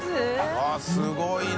◆舛すごいね。